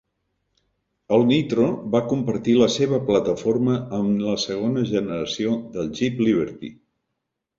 El Nitro va compartir la seva plataforma amb la segona generació del Jeep Liberty.